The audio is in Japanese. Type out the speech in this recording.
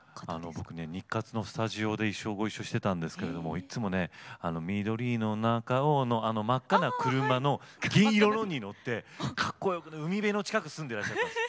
僕ね日活のスタジオでご一緒してたんですけれどもいつもね「緑の中を」のあの真紅な車の銀色のに乗ってかっこよくて海辺の近く住んでらっしゃったんです。